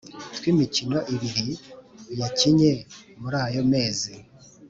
tw’imikino ibiri yakinye muri ayo mezi